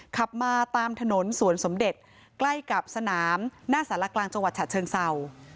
ขับมาตามถนนสวนสมเด็จใกล้กับสนามหน้าสารกลางจังหวัดฉะเชิงเศร้า